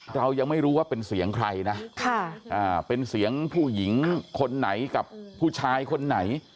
เรายังไม่รู้ว่าเป็นเสียงใครนะเป็นเสียงผู้หญิงคนไหนกับผู้ชายคนไหน